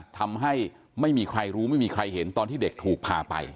ทำให้ไม่มีใครรู้ไม่มีใครเห็นตอนที่เด็กถูกพาไป